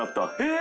え？